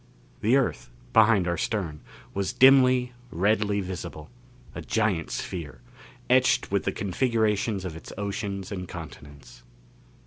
The Earth, behind our stern, was dimly, redly visible a giant sphere, etched with the configurations of its oceans and continents.